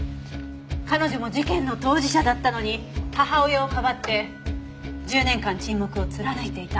彼女も事件の当事者だったのに母親をかばって１０年間沈黙を貫いていた。